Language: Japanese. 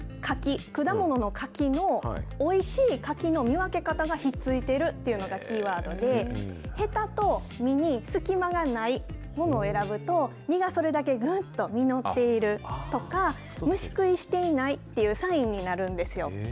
果物の柿のおいしい柿の見分け方が、ひっついてるっていうのがキーワードで、へたと実に隙間がないものを選ぶと、実がそれだけぐんと実っているとか、虫食いしていないというサインになるんですよ。